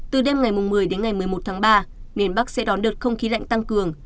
từ đêm ngày một mươi đến ngày một mươi một tháng ba miền bắc sẽ đón đợt không khí lạnh tăng cường